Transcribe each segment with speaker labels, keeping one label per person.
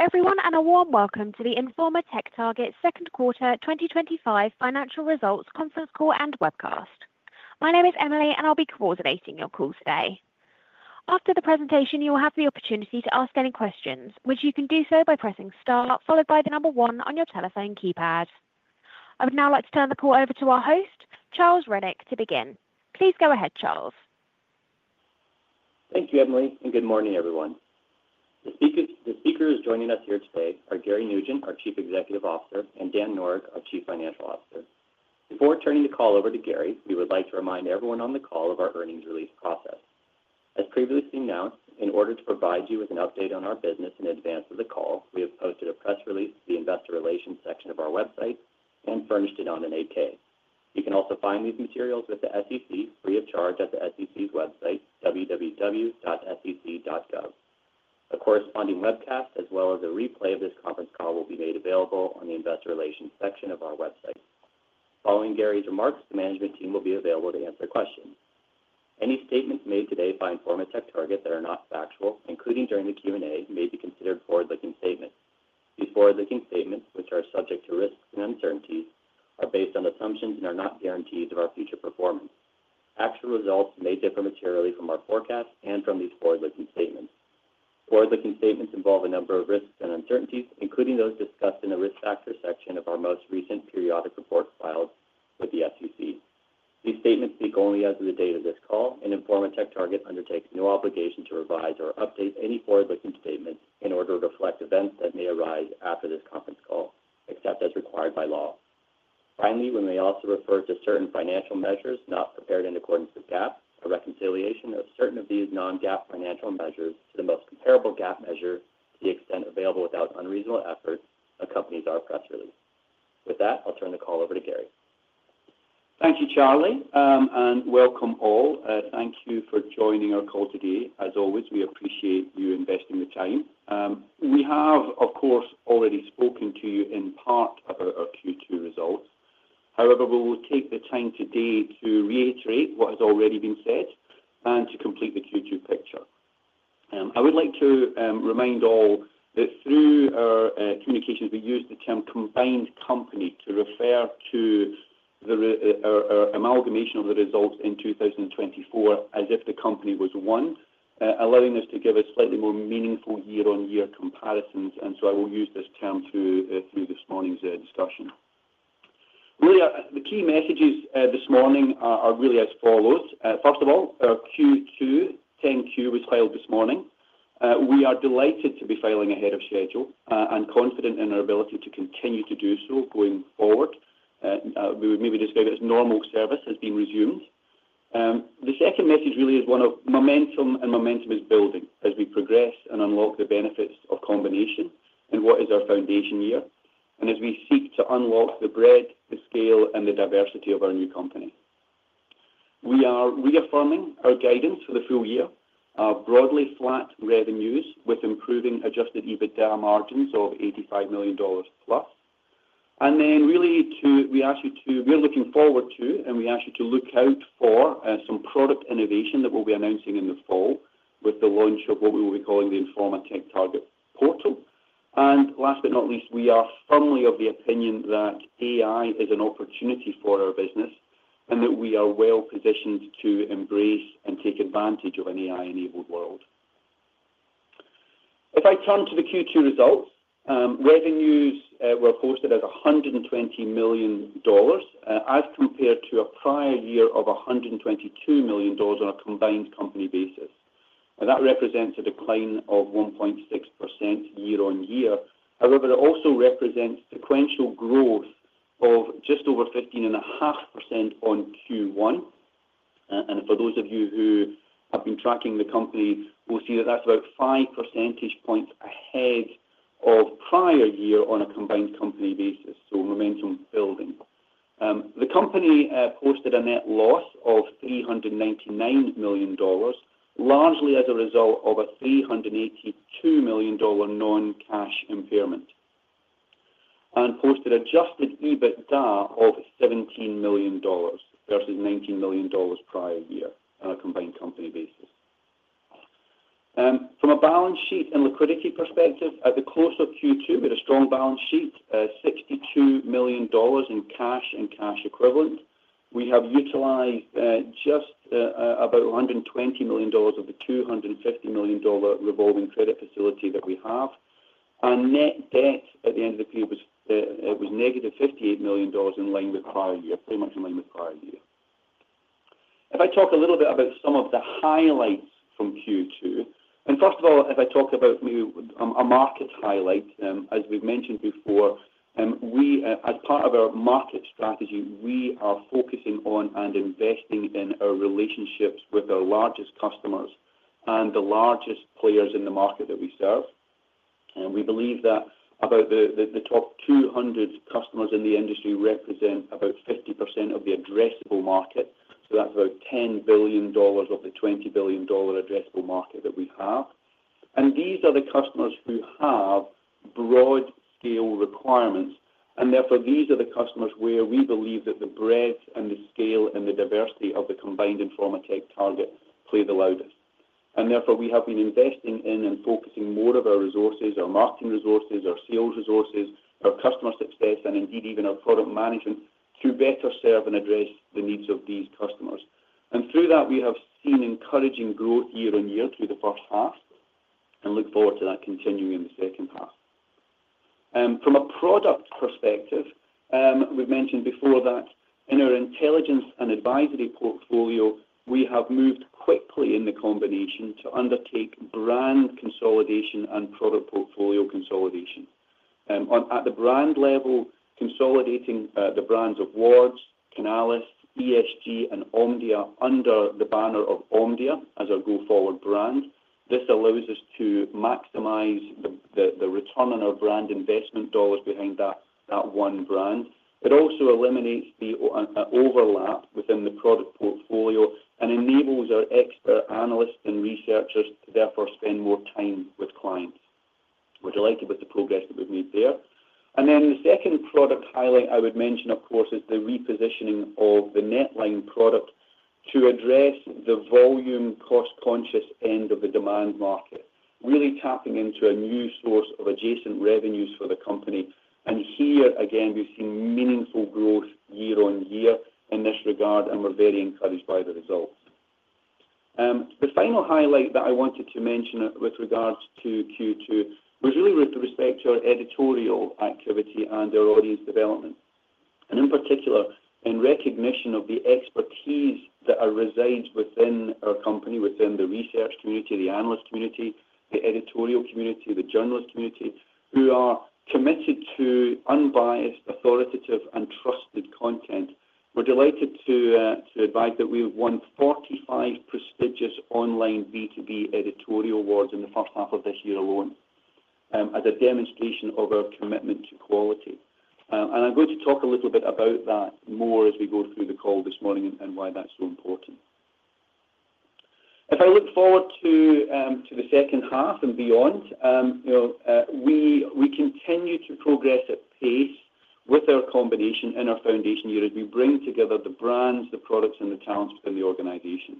Speaker 1: Hello everyone, and a warm welcome to the Informa TechTarget Second Quarter 2025 Financial Results Conference Call and Webcast. My name is Emily, and I'll be coordinating your call today. After the presentation, you will have the opportunity to ask any questions, which you can do by pressing star, followed by the number one on your telephone keypad. I would now like to turn the call over to our host, Charles Rennick, to begin. Please go ahead, Charles.
Speaker 2: Thank you, Emily, and good morning, everyone. The speakers joining us here today are Gary Nugent, our Chief Executive Officer, and Dan Noreck, our Chief Financial Officer. Before turning the call over to Gary, we would like to remind everyone on the call of our earnings release process. As previously announced, in order to provide you with an update on our business in advance of the call, we have posted a press release to the investor relations section of our website and furnished it on an 8-K. You can also find these materials with the SEC free of charge at the SEC's website, www.sec.gov. A corresponding webcast, as well as a replay of this conference call, will be made available on the investor relations section of our website. Following Gary's remarks, the management team will be available to answer questions. Any statements made today by TechTarget that are not factual, including during the Q&A, may be considered forward-looking statements. These forward-looking statements, which are subject to risks and uncertainties, are based on assumptions and are not guarantees of our future performance. Actual results may differ materially from our forecast and from these forward-looking statements. Forward-looking statements involve a number of risks and uncertainties, including those discussed in the risk factor section of our most recent periodic report filed with the SEC. These statements speak only as of the date of this call, and TechTarget undertakes no obligation to revise or update any forward-looking statements in order to reflect events that may arise after this conference call, except as required by law. Finally, we may also refer to certain financial measures not prepared in accordance with GAAP. A reconciliation of certain of these non-GAAP financial measures to the most comparable GAAP measure, to the extent available without unreasonable effort, accompanies our press release. With that, I'll turn the call over to Gary.
Speaker 3: Thank you, Charlie, and welcome all. Thank you for joining our call today. As always, we appreciate you investing your time. We have, of course, already spoken to you in part about our Q2 results. However, we'll take the time today to reiterate what has already been said and to complete the Q2 picture. I would like to remind all that through our communications, we use the term combined company to refer to our amalgamation of the results in 2024 as if the company was one, allowing us to give a slightly more meaningful year-on-year comparison. I will use this term through this morning's discussion. Really, the key messages this morning are as follows. First of all, Q2 10-Q was filed this morning. We are delighted to be filing ahead of schedule and confident in our ability to continue to do so going forward. We would maybe describe it as normal service has been resumed. The second message is one of momentum, and momentum is building as we progress and unlock the benefits of combination in what is our foundation year, and as we seek to unlock the breadth, the scale, and the diversity of our new company. We are reaffirming our guidance for the full year, broadly flat revenues with improving adjusted EBITDA margins of $85+ million. We are looking forward to, and we ask you to look out for some product innovation that we'll be announcing in the fall with the launch of what we will be calling the Informa TechTarget Portal. Last but not least, we are firmly of the opinion that AI is an opportunity for our business and that we are well positioned to embrace and take advantage of an AI-enabled world. If I turn to the Q2 results, revenues were posted at $120 million as compared to a prior year of $122 million on a combined company basis. That represents a decline of 1.6% year on year. However, it also represents sequential growth of just over 15.5% on Q1. For those of you who have been tracking the company, we'll see that that's about five percentage points ahead of prior year on a combined company basis. Momentum building. The company posted a net loss of $399 million, largely as a result of a $382 million non-cash impairment, and posted adjusted EBITDA of $17 million versus $19 million prior year on a combined company basis. From a balance sheet and liquidity perspective, at the close of Q2, we had a strong balance sheet, $62 million in cash and cash equivalent. We have utilized just about $120 million of the $250 million revolving credit facility that we have. Net debt at the end of the period was -$58 million, in line with prior year, pretty much in line with prior year. If I talk a little bit about some of the highlights from Q2, first of all, if I talk about maybe a market highlight, as we've mentioned before, as part of our market strategy, we are focusing on and investing in our relationships with our largest customers and the largest players in the market that we serve. We believe that about the top 200 customers in the industry represent about 50% of the addressable market. That's about $10 billion of the $20 billion addressable market that we have. These are the customers who have broad-scale requirements. These are the customers where we believe that the breadth and the scale and the diversity of the combined Informa TechTarget play the loudest. We have been investing in and focusing more of our resources, our marketing resources, our sales resources, our customer success, and indeed even our product management to better serve and address the needs of these customers. Through that, we have seen encouraging growth year on year through the first half and look forward to that continuing in the second half. From a product perspective, we've mentioned before that in our intelligence and advisory portfolio, we have moved quickly in the combination to undertake brand consolidation and product portfolio consolidation. At the brand level, consolidating the brands of Wards, Canalys, ESG, and Omdia under the banner of Omdia as our go-forward brand. This allows us to maximize the return on our brand investment dollars behind that one brand. It also eliminates the overlap within the product portfolio and enables our expert analysts and researchers to therefore spend more time with clients. We're delighted with the progress that we've made there. The second product highlight I would mention, of course, is the repositioning of the NetLine product to address the volume cost-conscious end of the demand market, really tapping into a new source of adjacent revenues for the company. Here again, we've seen meaningful growth year on year in this regard, and we're very encouraged by the results. The final highlight that I wanted to mention with regards to Q2 was really with respect to our editorial activity and our audience development. In particular, in recognition of the expertise that are resident within our company, within the research community, the analyst community, the editorial community, the journalist community, who are committed to unbiased, authoritative, and trusted content, we're delighted to advise that we have won 45 prestigious online B2B editorial awards in the first half of this year alone as a demonstration of our commitment to quality. I'm going to talk a little bit more about that as we go through the call this morning and why that's so important. If I look forward to the second half and beyond, we continue to progress at pace with our combination and our foundation year as we bring together the brands, the products, and the talents within the organization.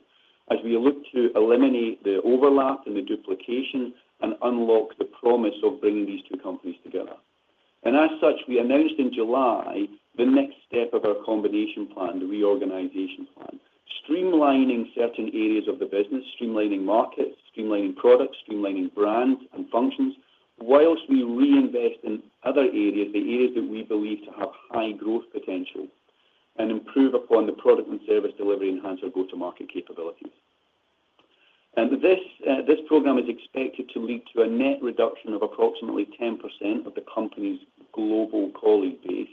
Speaker 3: We look to eliminate the overlap and the duplication and unlock the promise of bringing these two companies together. As such, we announced in July the next step of our combination plan, the reorganization plan, streamlining certain areas of the business, streamlining markets, streamlining products, streamlining brands and functions, whilst we reinvest in other areas, the areas that we believe to have high growth potential and improve upon the product and service delivery, enhance our go-to-market capabilities. This program is expected to lead to a net reduction of approximately 10% of the company's global colleague base.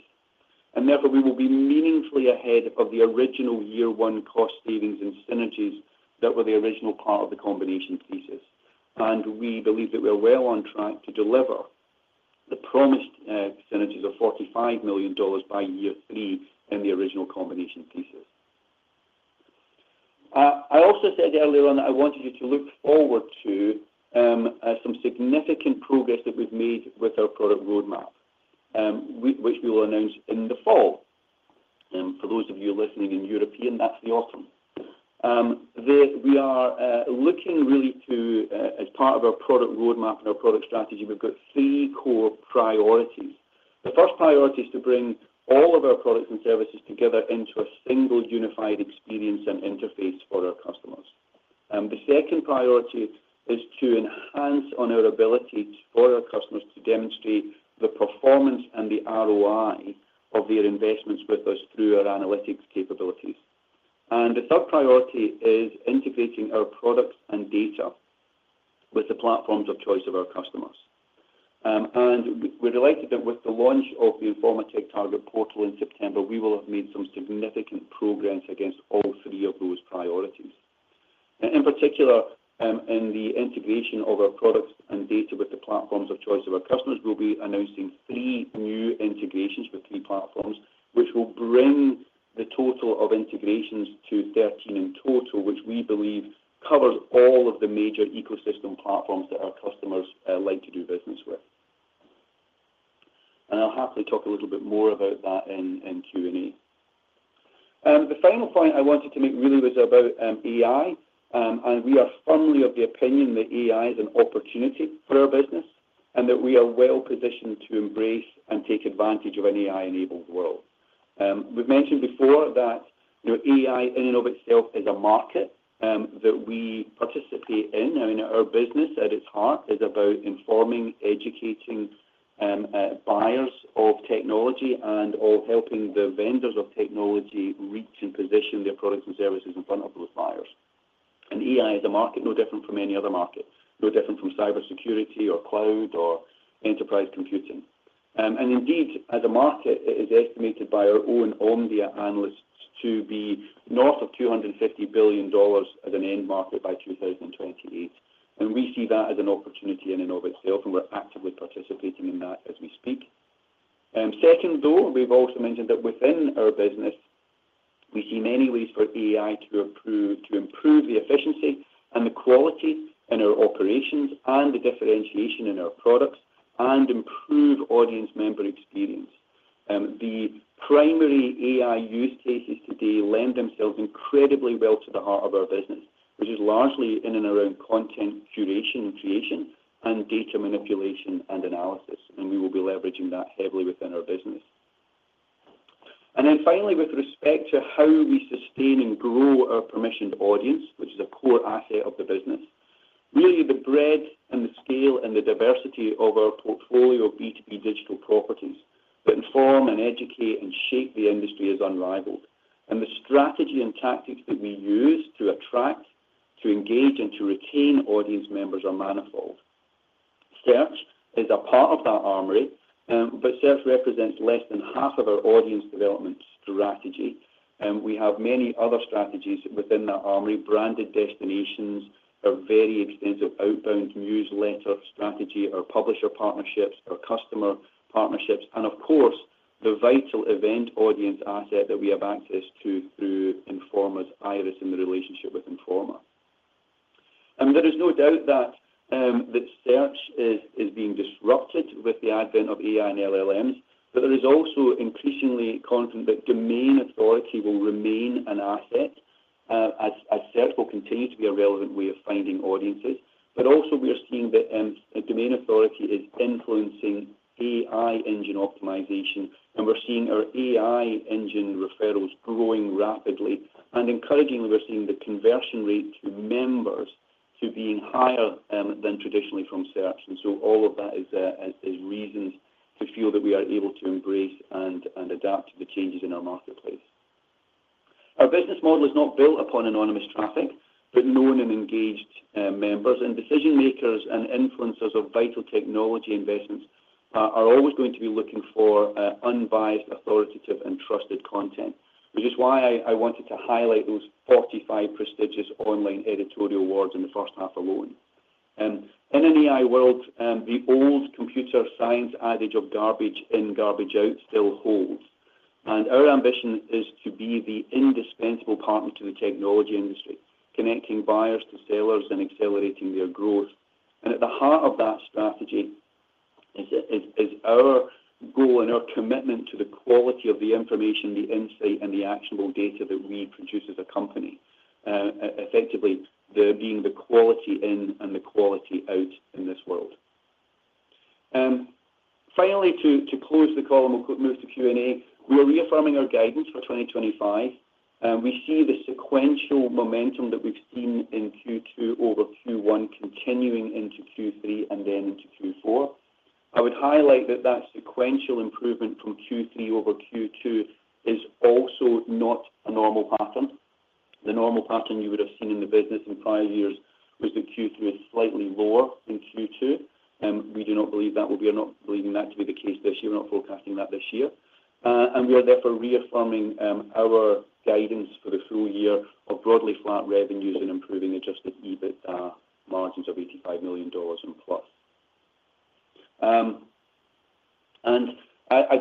Speaker 3: Therefore, we will be meaningfully ahead of the original year-one cost savings and synergies that were the original part of the combination thesis. We believe that we're well on track to deliver the promised synergies of $45 million by year three in the original combination thesis. I also said earlier on that I wanted you to look forward to some significant progress that we've made with our product roadmap, which we will announce in the fall. For those of you listening in European, that's the autumn. We are looking really to, as part of our product roadmap and our product strategy, we've got three core priorities. The first priority is to bring all of our products and services together into a single unified experience and interface for our customers. The second priority is to enhance our ability for our customers to demonstrate the performance and the ROI of their investments with us through our analytics capabilities. The third priority is integrating our product and data with the platforms of choice of our customers. We're delighted that with the launch of the Informa TechTarget Portal in September, we will have made some significant progress against all three of those priorities. In particular, in the integration of our products and data with the platforms of choice of our customers, we will be announcing three new integrations with three platforms, which will bring the total of integrations to 13 in total, which we believe covers all of the major ecosystem platforms that our customers like to do business with. I'll happily talk a little bit more about that in Q&A. The final point I wanted to make really was about AI. We are firmly of the opinion that AI is an opportunity for our business and that we are well positioned to embrace and take advantage of an AI-enabled world. We've mentioned before that AI in and of itself is a market that we participate in. Our business at its heart is about informing, educating buyers of technology, and helping the vendors of technology reach and position their products and services in front of those buyers. AI is a market no different from any other market, no different from cybersecurity or cloud or enterprise computing. Indeed, as a market, it is estimated by our own Omdia analysts to be north of $250 billion at an end market by 2028. We see that as an opportunity in and of itself, and we're actively participating in that as we speak. Second, we've also mentioned that within our business, we see many ways for AI to improve the efficiency and the quality in our operations and the differentiation in our products and improve audience member experience. The primary AI use cases today lend themselves incredibly well to the heart of our business, which is largely in and around content curation and creation and data manipulation and analysis. We will be leveraging that heavily within our business. Finally, with respect to how we sustain and grow our permissioned audience, which is a core asset of the business, the breadth and the scale and the diversity of our portfolio of B2B digital properties that inform and educate and shape the industry is unrivaled. The strategy and tactics that we use to attract, to engage, and to retain audience members are manifold. Search is a part of that armory, but search represents less than half of our audience development strategy. We have many other strategies within that armory. Branded destinations, a very extensive outbound newsletter strategy, our publisher partnerships, our customer partnerships, and of course, the vital event audience asset that we have access to through Informa’s IIRIS and the relationship with Informa. There is no doubt that search is being disrupted with the advent of AI and LLMs, but there is also increasing confidence that domain authority will remain an asset as search will continue to be a relevant way of finding audiences. We are seeing that domain authority is influencing AI engine optimization, and we're seeing our AI engine referrals growing rapidly. Encouragingly, we're seeing the conversion rate to members being higher than traditionally from search. All of that is reasons to feel that we are able to embrace and adapt to the changes in our marketplace. Our business model is not built upon anonymous traffic, but known and engaged members. Decision makers and influencers of vital technology investments are always going to be looking for unbiased, authoritative, and trusted content, which is why I wanted to highlight those 45 prestigious online editorial awards in the first half alone. In an AI world, the old computer science adage of garbage in, garbage out still holds. Our ambition is to be the indispensable partner to the technology industry, connecting buyers to sellers and accelerating their growth. At the heart of that strategy is our goal and our commitment to the quality of the information, the insight, and the actionable data that we produce as a company, effectively being the quality in and the quality out in this world. Finally, to close the call, and we'll move to Q&A, we are reaffirming our guidance for 2025. We see the sequential momentum that we've seen in Q2 over Q1 continuing into Q3 and then into Q4. I would highlight that that sequential improvement from Q3 over Q2 is also not a normal pattern. The normal pattern you would have seen in the business in five years was that Q3 is slightly lower than Q2. We do not believe that will be. We're not believing that to be the case this year. We're not forecasting that this year. We are therefore reaffirming our guidance for the full year of broadly flat revenues and improving adjusted EBITDA margins of $85 million and plus. As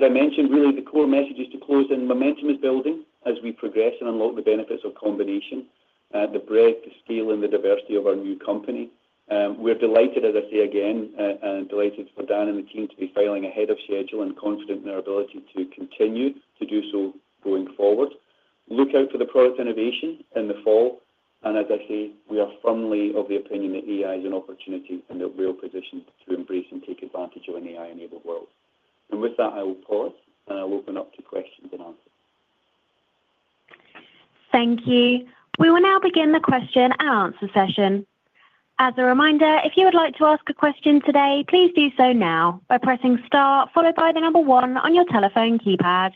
Speaker 3: I mentioned, really, the core message is to close in momentum is building as we progress and unlock the benefits of combination, the breadth, the scale, and the diversity of our new company. We're delighted, as I say again, and delighted for Dan and the team to be filing ahead of schedule and confident in our ability to continue to do so going forward. Look out for the product innovation in the fall. We are firmly of the opinion that AI is an opportunity and that we are positioned to embrace and take advantage of an AI-enabled world. With that, I will pause and I'll open up to questions and answers.
Speaker 1: Thank you. We will now begin the question and answer session. As a reminder, if you would like to ask a question today, please do so now by pressing star, followed by the number one on your telephone keypad.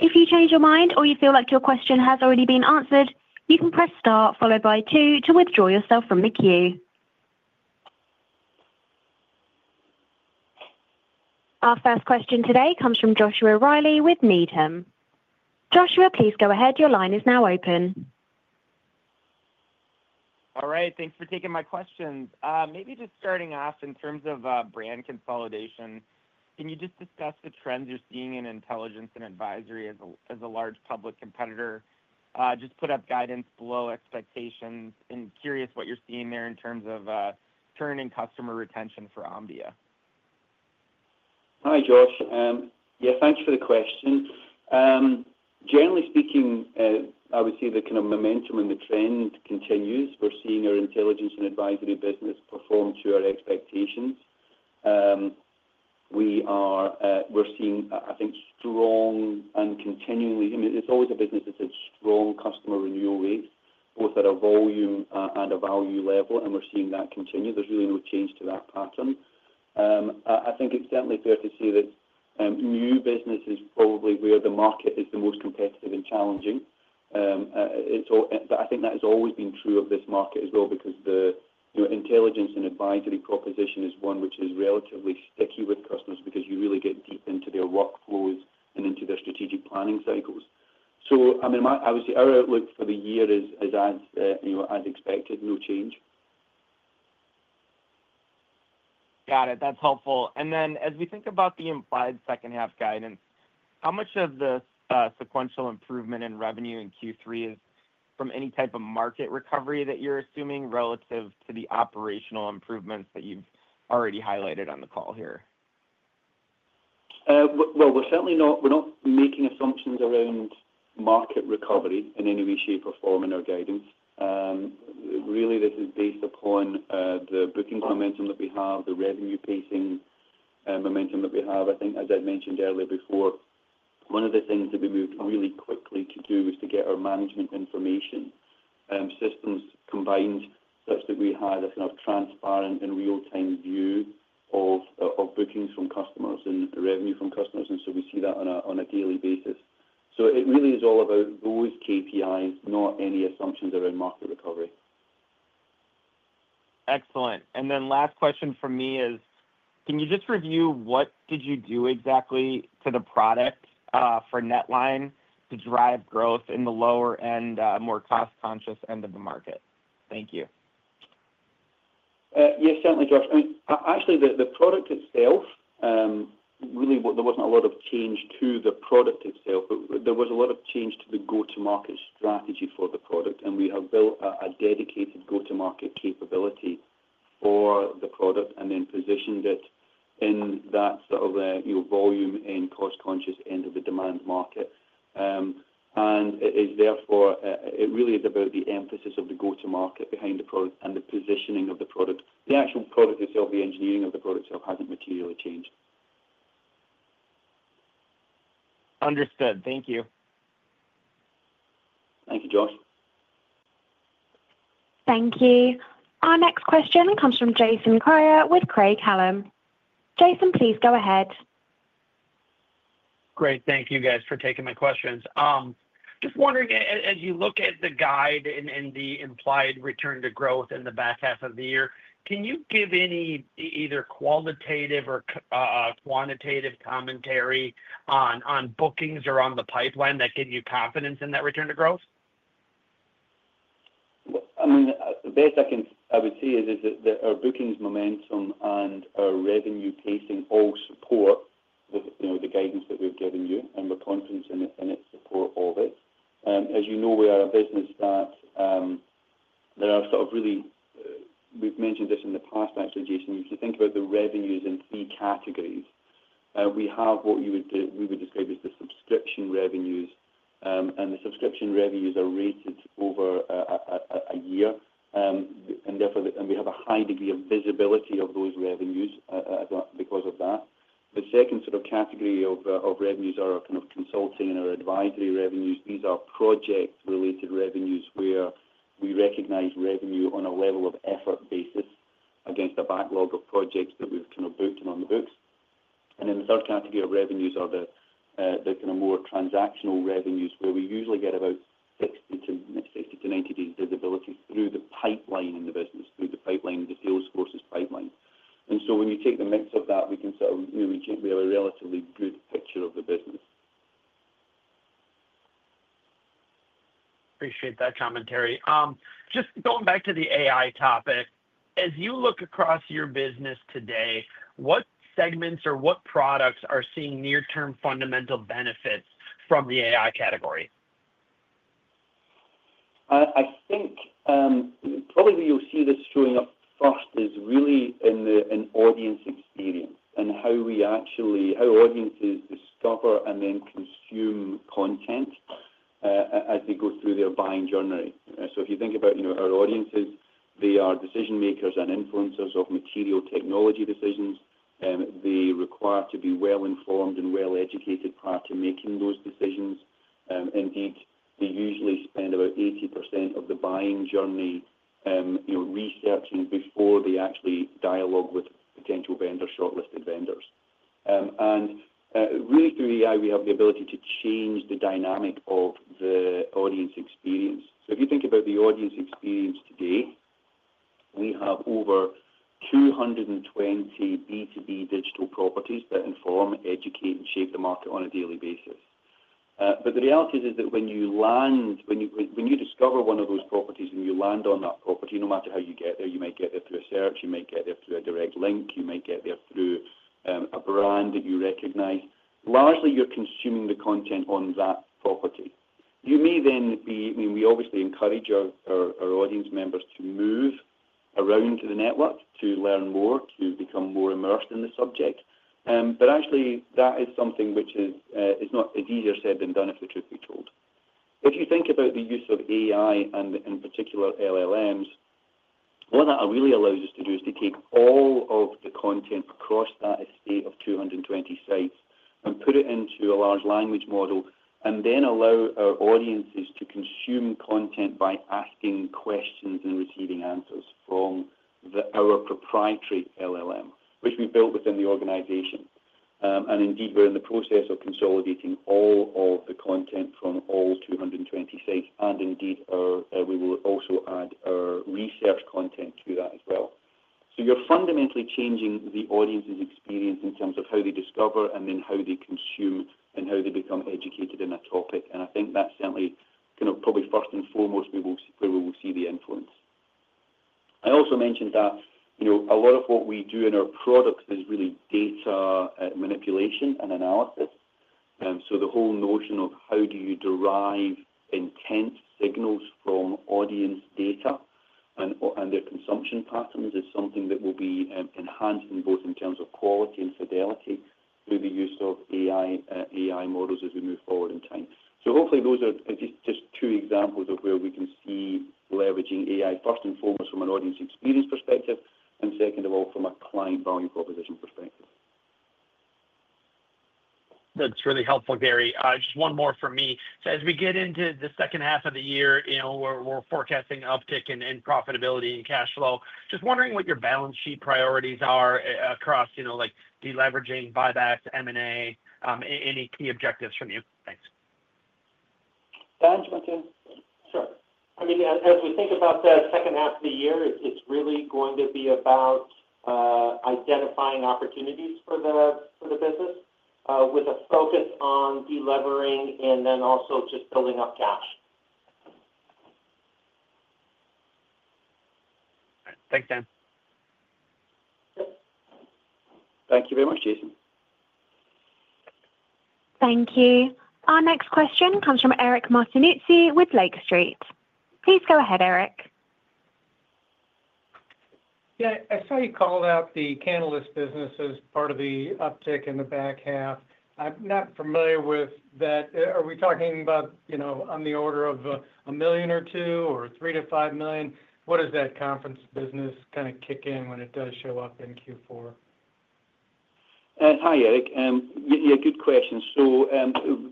Speaker 1: If you change your mind or you feel like your question has already been answered, you can press star, followed by two to withdraw yourself from the queue. Our first question today comes from Joshua Reilly with Needham. Joshua, please go ahead. Your line is now open.
Speaker 4: All right. Thanks for taking my question. Maybe just starting off in terms of brand consolidation, can you just discuss the trends you're seeing in intelligence and advisory as a large public competitor just put up guidance below expectations, and curious what you're seeing there in terms of churn and customer retention for Omdia.
Speaker 3: Hi, Josh. Yeah, thanks for the question. Generally speaking, I would say the kind of momentum and the trend continues. We're seeing our intelligence and advisory business perform to our expectations. We're seeing, I think, strong and continually, I mean, it's always a business that's a strong customer renewal rate, both at a volume and a value level, and we're seeing that continue. There's really no change to that pattern. I think it's definitely fair to say that new business is probably where the market is the most competitive and challenging. I think that has always been true of this market as well because the intelligence and advisory proposition is one which is relatively sticky with customers because you really get deep into their workflows and into their strategic planning cycles. I would say our outlook for the year is as expected, no change.
Speaker 4: Got it. That's helpful. As we think about the implied second-half guidance, how much of the sequential improvement in revenue in Q3 is from any type of market recovery that you're assuming relative to the operational improvements that you've already highlighted on the call here?
Speaker 3: We're certainly not making assumptions around market recovery in any way, shape, or form in our guidance. This is based upon the bookings momentum that we have, the revenue pacing momentum that we have. I think, as I mentioned earlier before, one of the things that we moved really quickly to do was to get our management information systems combined such that we had a kind of transparent and real-time view of bookings from customers and the revenue from customers. We see that on a daily basis. It really is all about those KPIs, not any assumptions around market recovery.
Speaker 4: Excellent. Last question for me is, can you just review what did you do exactly to the product for NetLine to drive growth in the lower end, more cost-conscious end of the market? Thank you.
Speaker 3: Yeah, certainly, Josh. I mean, actually, the product itself, really, there wasn't a lot of change to the product itself, but there was a lot of change to the go-to-market strategy for the product. We have built a dedicated go-to-market capability for the product and then positioned it in that sort of a volume and cost-conscious end of the demand market. It is therefore, it really is about the emphasis of the go-to-market behind the product and the positioning of the product. The actual product itself, the engineering of the product itself hasn't materially changed.
Speaker 4: Understood. Thank you.
Speaker 3: Thank you, Josh.
Speaker 1: Thank you. Our next question comes from Jason Kreyer with Craig-Hallum. Jason, please go ahead.
Speaker 5: Great. Thank you guys for taking my questions. Just wondering, as you look at the guide and the implied return to growth in the back half of the year, can you give any either qualitative or quantitative commentary on bookings or on the pipeline that give you confidence in that return to growth?
Speaker 3: I mean, the best I can, I would say is that our bookings momentum and our revenue pacing all support the guidance that we've given you, and we're confident in it and it supports all this. As you know, we are a business that there are sort of really, we've mentioned this in the past, actually, Jason, if you think about the revenues in three categories, we have what you would, we would describe as the subscription revenues. The subscription revenues are rated over a year, and therefore, we have a high degree of visibility of those revenues because of that. The second sort of category of revenues are our kind of consulting and our advisory revenues. These are project-related revenues where we recognize revenue on a level of effort basis against a backlog of projects that we've kind of booked and on the books. The third category of revenues are the kind of more transactional revenues where we usually get about 60, 90 days visibility through the pipeline in the business, through the pipeline of the sales forces pipeline. When you take the mix of that, we can sort of, you know, we have a relatively good picture of the business.
Speaker 5: Appreciate that commentary. Just going back to the AI topic, as you look across your business today, what segments or what products are seeing near-term fundamental benefits from the AI category?
Speaker 3: I think probably you'll see this showing up first is really in the audience experience and how we actually, how audiences discover and then consume content as they go through their buying journey. If you think about our audiences, they are decision makers and influencers of material technology decisions. They require to be well-informed and well-educated prior to making those decisions. Indeed, they usually spend about 80% of the buying journey researching before they actually dialogue with potential vendors, shortlisted vendors. Through AI, we have the ability to change the dynamic of the audience experience. If you think about the audience experience today, we have over 220 B2B digital properties that inform, educate, and shape the market on a daily basis. The reality is that when you land, when you discover one of those properties, when you land on that property, no matter how you get there, you might get there through a search, you might get there through a direct link, you might get there through a brand that you recognize, largely, you're consuming the content on that property. You may then be, I mean, we obviously encourage our audience members to move around to the network to learn more, to become more immersed in the subject. That is something which is not, it's easier said than done if the truth be told. If you think about the use of AI and in particular LLMs, what that really allows you to do is to take all of the content across that estate of 220 sites and put it into a large language model and then allow our audiences to consume content by asking questions and receiving answers from our proprietary LLM, which we built within the organization. Indeed, we're in the process of consolidating all of the content from all 220 sites. Indeed, we will also add our research content to that as well. You're fundamentally changing the audience's experience in terms of how they discover and then how they consume and how they become educated in that topic. I think that's certainly kind of probably first and foremost where we will see the influence. I also mentioned that a lot of what we do in our product is really data manipulation and analysis. The whole notion of how do you derive intent signals from audience data and their consumption pattern is something that will be enhanced in both in terms of quality and fidelity through the use of AI models as we move forward in time. Hopefully, those are just two examples of where we can see leveraging AI first and foremost from an audience experience perspective and second of all, from a client value proposition perspective.
Speaker 5: That's really helpful, Gary. Just one more for me. As we get into the second half of the year, you know we're forecasting uptick in profitability and cash flow. Just wondering what your balance sheet priorities are across, you know, like deleveraging, buybacks, M&A, any key objectives from you. Thanks.
Speaker 6: Can I have this question? As we think about the second half of the year, it's really going to be about identifying opportunities for the business with a focus on delivering and then also just building up cash.
Speaker 5: All right. Thanks, Dan.
Speaker 6: Thank you very much, Jason.
Speaker 1: Thank you. Our next question comes from Eric Martinuzzi with Lake Street. Please go ahead, Eric.
Speaker 7: Yeah, I saw you call out the Canalys business as part of the uptick in the back half. I'm not familiar with that. Are we talking about, you know, on the order of $1 million or $2 million or $3 million-$5 million? What does that conference business kind of kick in when it does show up in Q4?
Speaker 3: Hi, Eric. Yeah, good question.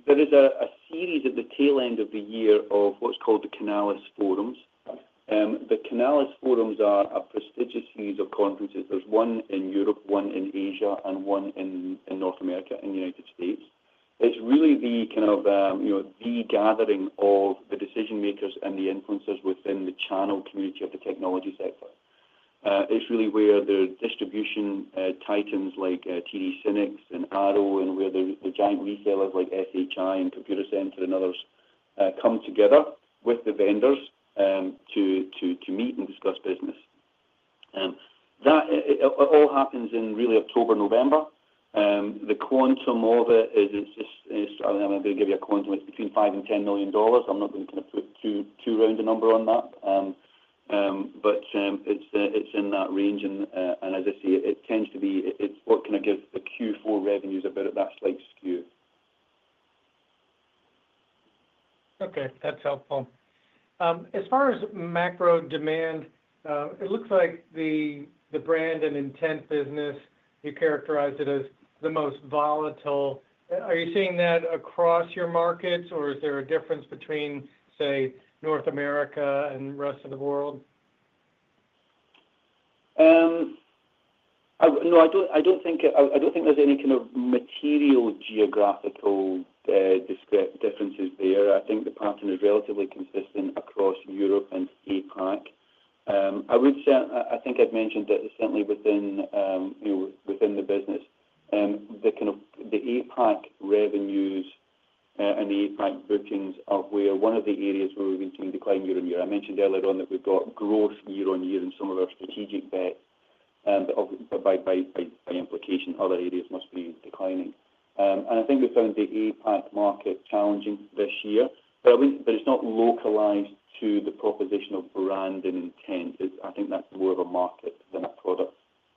Speaker 3: There is a series at the tail end of the year of what's called the Canalys Forums. The Canalys Forums are a prestigious series of conferences. There's one in Europe, one in Asia, and one in North America and the United States. It's really the kind of, you know, the gathering of the decision makers and the influencers within the channel community of the technology sector. It's really where the distribution titans like TD SYNNEX and ADO and where the giant resellers like SHI and Computacenter and others come together with the vendors to meet and discuss business. That all happens in October, November. The quantum of it is, it's just, I'm going to give you a quantum. It's between $5 million and $10 million. I'm not going to put too round a number on that, but it's in that range. As I say, it tends to be, it's what kind of gives the Q4 revenues a bit of that slight skew.
Speaker 7: Okay. That's helpful. As far as macro demand, it looks like the brand and intent business, you characterized it as the most volatile. Are you seeing that across your markets, or is there a difference between, say, North America and the rest of the world?
Speaker 3: No, I don't think there's any kind of material geographical differences there. I think the pattern is relatively consistent across Europe and APAC. I would say, I think I've mentioned that it's certainly within the business. The APAC revenues and the APAC bookings are one of the areas where we've been seeing a decline year on year. I mentioned earlier on that we've got growth year on year in some of our strategic bet. By implication, other areas must be declining. I think we found the APAC market challenging this year. It's not localized to the proposition of brand and intent. I think that's more of a market than a product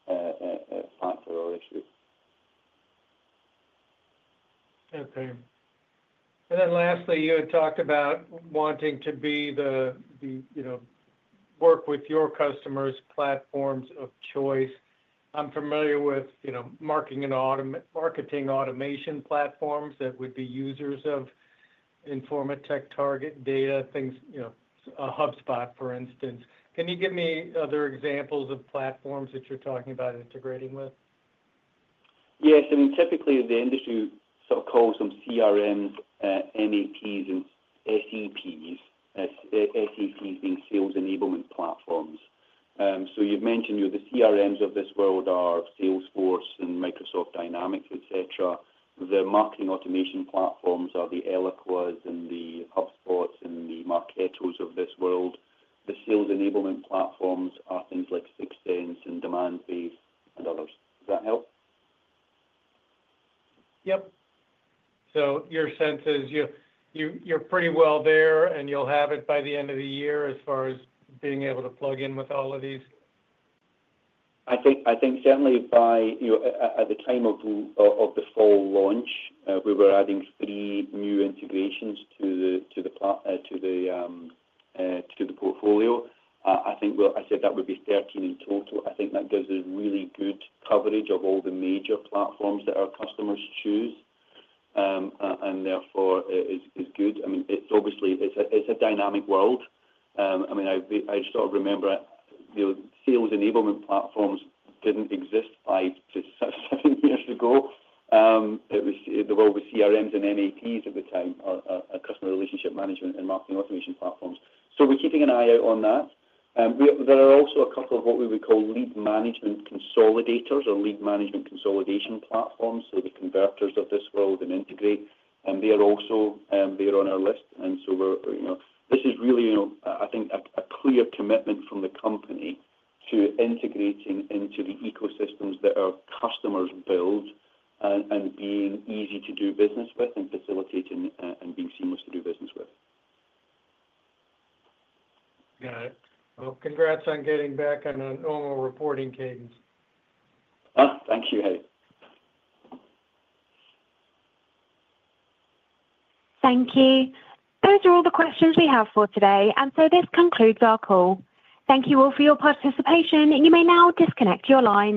Speaker 3: answer or issue.
Speaker 7: Okay. Lastly, you had talked about wanting to work with your customers' platforms of choice. I'm familiar with marketing automation platforms that would be users of Informa TechTarget data, things like HubSpot, for instance. Can you give me other examples of platforms that you're talking about integrating with?
Speaker 3: Yes. I mean, typically, the industry sort of calls them CRMs, MAPs, and SEPs. SEPs means Sales Enablement Platforms. You've mentioned, you know, the CRMs of this world are Salesforce and Microsoft Dynamics, etc. The marketing automation platforms are the Eloqua and the HubSpot and the Marketo of this world. The Sales Enablement Platforms are things like 6sense and Demandbase and others. Does that help?
Speaker 7: Your sense is you're pretty well there, and you'll have it by the end of the year as far as being able to plug in with all of these?
Speaker 3: I think certainly by, you know, at the time of the fall launch, we were adding three new integrations to the portfolio. I said that would be 13 in total. I think that gives a really good coverage of all the major platforms that our customers choose. Therefore, it's good. I mean, it's obviously, it's a dynamic world. I sort of remember, you know, sales enablement platforms didn't exist five, six, seven years ago. There were CRMs and MAPs at the time, our customer relationship management and marketing automation platforms. We're keeping an eye out on that. There are also a couple of what we would call lead management consolidators or lead management consolidation platforms, the converters of this world and integrate. They are also there on our list. We're, you know, this is really, you know, I think a clear commitment from the company to integrating into the ecosystems that our customers build and being easy to do business with and facilitating and being seamless to do business with.
Speaker 7: Got it. Congrats on getting back on a normal reporting cadence.
Speaker 3: Thanks you Eric.
Speaker 1: Thank you. Those are all the questions we have for today. This concludes our call. Thank you all for your participation, and you may now disconnect your line.